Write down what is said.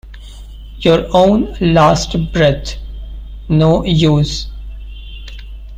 "Your own last breath", "no use".